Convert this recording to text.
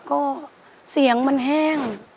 ก็เสียงมันแห้ง